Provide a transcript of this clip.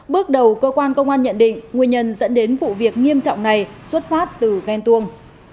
bước đầu cơ quan công an nhận định nguyên nhân dẫn đến vụ việc nghiêm trọng này xuất phát từ ghen tuông